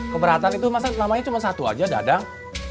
keberatan itu masa namanya cuma satu aja dadang